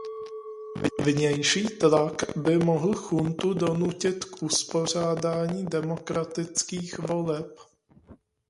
Vnější tlak by mohl juntu donutit k uspořádání demokratických voleb.